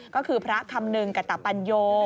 ก็คือพระคำนึงกตปัญโย